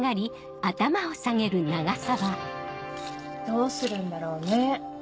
どうするんだろうねぇ。